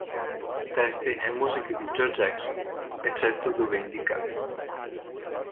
Testi e musiche di Joe Jackson, eccetto dove indicato.